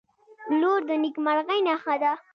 • لور د نیکمرغۍ نښه ده.